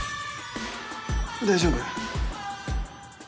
大丈夫？